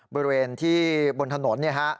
บริเวณที่บนถนน